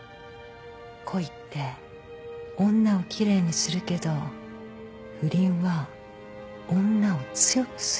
恋って女を奇麗にするけど不倫は女を強くする。